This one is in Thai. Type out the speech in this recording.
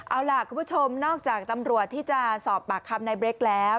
เอาล่ะคุณผู้ชมนอกจากตำรวจที่จะสอบปากคำในเบรกแล้ว